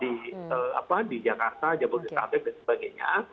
tidak bekerja tetap di jakarta jabodetabek dan sebagainya